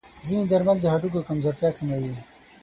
ځینې درمل د هډوکو کمزورتیا کموي.